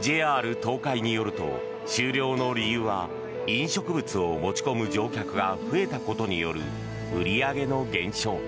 ＪＲ東海によると、終了の理由は飲食物を持ち込む乗客が増えたことによる売り上げの減少。